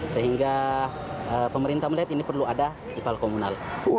sehingga pemerintah melihat ini perlu ada ipal komunal